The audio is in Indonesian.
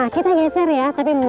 kita geser ya tapi